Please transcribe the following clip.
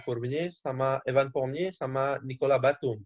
kayak tony parker evan fournier sama nikola batung